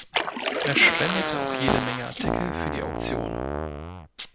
Er spendete auch jede Menge Artikel für die Auktion.